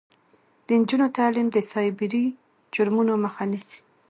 د نجونو تعلیم د سایبري جرمونو مخه نیسي.